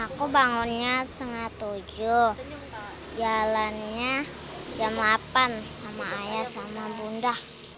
aku bangunnya setengah tujuh jalannya jam delapan sama ayah sama bunda